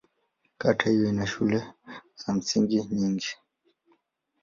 Kata hiyo ina shule za msingi nyingi.